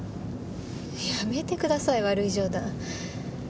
やめてください悪い冗談。